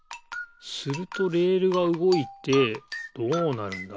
するとレールがうごいてどうなるんだ？